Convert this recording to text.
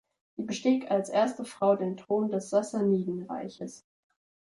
Sie bestieg als erste Frau den Thron des Sassanidenreiches.